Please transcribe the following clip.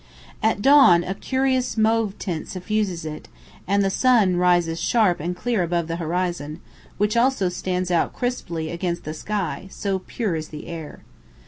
At dawn a curious mauve tint suffuses it, and the sun rises sharp and clear above the horizon, which also stands out crisply against the sky, so pure is the air.